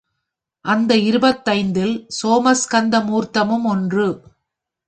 அந்த இருபத்தைந்தில் சோமாஸ்கந்த மூர்த்தமும் ஒன்று.